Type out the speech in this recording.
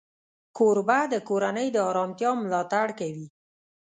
کوربه د کورنۍ د آرامتیا ملاتړ کوي.